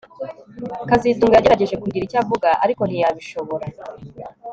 kazitunga yagerageje kugira icyo avuga ariko ntiyabishobora